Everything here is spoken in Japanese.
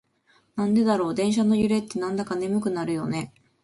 なんでだろう、電車の揺れってなんだか眠くなるよね。